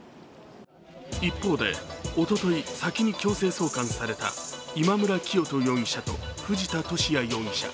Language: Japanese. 一方で、おととい、先に強制送還された今村磨人容疑者と藤田聖也容疑者。